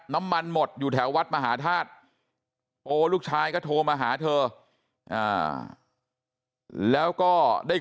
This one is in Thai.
น้ำมันหมดอยู่แถววัดมหาธาตุโอลูกชายก็โทรมาหาเธอแล้วก็ได้